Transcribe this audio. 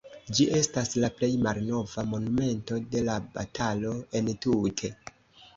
Ĝi estas la plej malnova monumento de la batalo entute.